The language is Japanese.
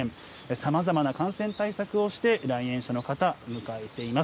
さまざまな感染対策をして来園者の方、迎えています。